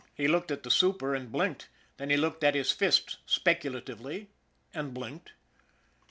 He looked at the super and blinked; then he looked at his fists specula tively and blinked.